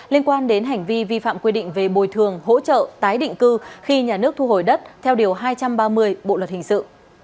liên quan đến hành vi vi phạm quy định về bồi thường hỗ trợ tái định cư khi nhà nước thu hồi đất theo điều hai trăm ba mươi bộ luật hình sự